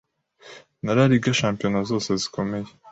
na La Liga, shampiyona zose zikomeye